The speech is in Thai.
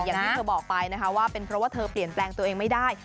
อย่างที่เธอบอกไปนะคะว่าเป็นเพราะว่าเธอเปลี่ยนแปลงตัวเองไม่ได้